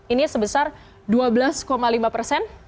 ini sebesar dua belas lima persen